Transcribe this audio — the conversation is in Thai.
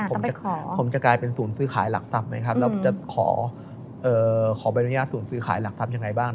ผมจะกลายเป็นศูนย์ซื้อขายหลักทรัพย์ไหมครับแล้วจะขอใบอนุญาตศูนย์ซื้อขายหลักทรัพย์ยังไงบ้าง